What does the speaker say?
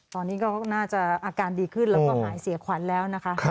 ตอนนี้ก็น่าจะอาการดีขึ้นแล้วก็หายเสียขวัญแล้วนะคะ